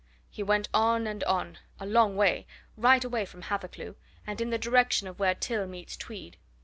He went on and on a long way, right away from Hathercleugh, and in the direction of where Till meets Tweed.